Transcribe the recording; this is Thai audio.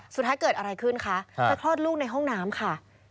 สุดท้ายเกิดอะไรขึ้นคะไปคลอดลูกในห้องน้ำค่ะ